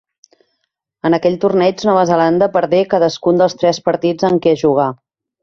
En aquell torneig Nova Zelanda perdé cadascun dels tres partits en què jugà.